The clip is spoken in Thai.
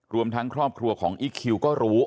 รวมทางครอบครัวกองอิคคิวก็รู้นะครับ